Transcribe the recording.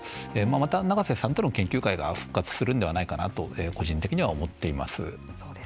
また永瀬さんとの研究会が復活するんではないかなと個人的には思っています。